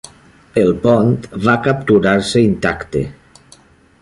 El pont va capturar-se intacte.